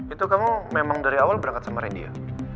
itu kamu memang dari awal berangkat sama randy ya